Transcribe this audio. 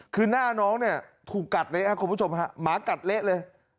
คือหน้าน้องเนี่ยถูกกัดเลยครับคุณผู้ชมฮะหมากัดเละเลย